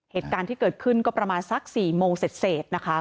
เหตุการณ์ที่เกิดขึ้นก็ประมาณสัก๔โมงเสร็จนะคะ